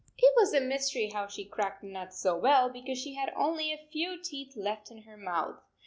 It was a mystery how she cracked the nuts so well, because she had only a few teeth left in her mouth.